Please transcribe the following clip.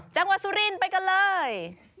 จังหวัดสุรินทร์ไปกันเลย